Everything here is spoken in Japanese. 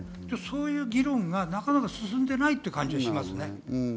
そういう議論がなかなか進んでないという感じがします。